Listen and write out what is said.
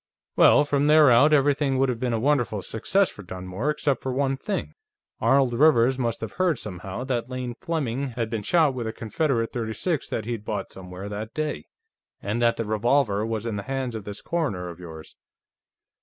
"Well, from there out, everything would have been a wonderful success for Dunmore, except for one thing. Arnold Rivers must have heard, somehow, that Lane Fleming had been shot with a Confederate .36 that he'd bought somewhere that day, and that the revolver was in the hands of this coroner of yours.